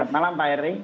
selamat malam pak heri